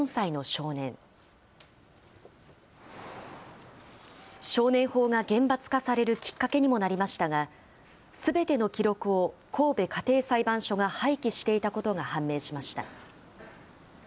少年法が厳罰化されるきっかけにもなりましたが、すべての記録を神戸家庭裁判所が廃棄していたことが判明しました。